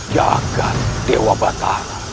jaga dewa batara